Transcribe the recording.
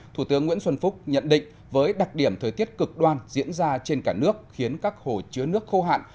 thủ tướng nguyễn xuân phúc nhận định với đặc điểm thời tiết cực đoan diễn ra trên cả nước khiến các hồ chứa nước khô hạn